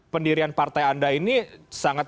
pendirian partai anda ini sangat